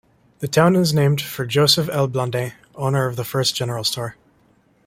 The town is named for Joseph L. Blandin, owner of the first general store.